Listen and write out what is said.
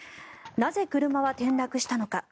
なぜ車は転落したのか。